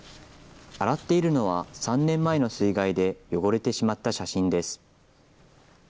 洗っているのは３年前の水害で汚れてしまった写真です。